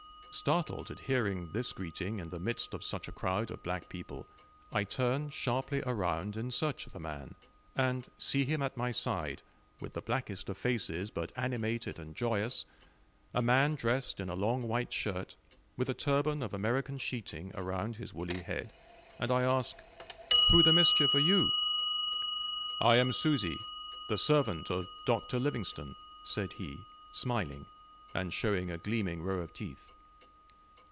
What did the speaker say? Startled at hearing this greeting in the midst of such a crowd of black people, I turn sharply around in search of the man, and see him at my side, with the blackest of faces, but animated and joyous a man dressed in a long white shirt, with a turban of American sheeting around his woolly head, and I ask: "Who the mischief are you?" "I am Susi, the servant of Dr. Livingstone," said be, smiling, and showing a gleaming row of teeth.